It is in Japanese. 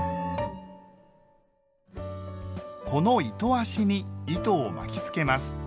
この糸足に糸を巻きつけます。